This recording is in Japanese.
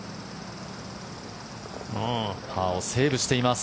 パーをセーブしています。